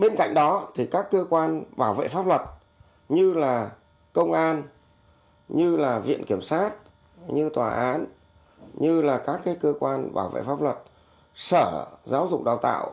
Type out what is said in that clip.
bên cạnh đó thì các cơ quan bảo vệ pháp luật như là công an như là viện kiểm sát như tòa án như là các cơ quan bảo vệ pháp luật sở giáo dục đào tạo